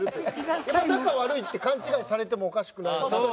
仲悪いって勘違いされてもおかしくないです。